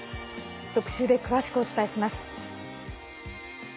特集で詳しくお伝えします。